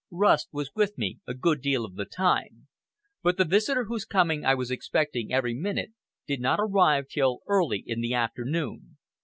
Rust was with me a good deal of the time; but the visitor whose coming I was expecting every minute did not arrive till early in the afternoon.